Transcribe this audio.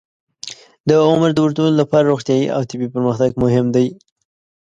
د عمر د اوږدولو لپاره روغتیايي او طبي پرمختګ مهم دی.